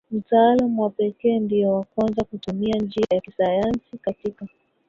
mtaalamu wa pekee ndiye wa kwanza kutumia njia ya kisayansi katika